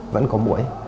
vẫn có mũi